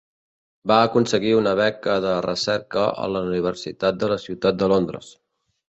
Va aconseguir una beca de recerca a la Universitat de la Ciutat de Londres.